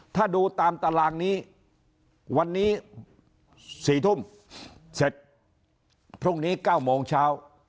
ถ้าดูตามตารางนี้วันนี้๔ทุ่มเสร็จพรุ่งนี้๙โมงเช้า